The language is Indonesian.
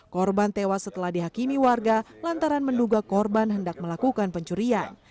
korban tewas setelah dihakimi warga lantaran menduga korban hendak melakukan pencurian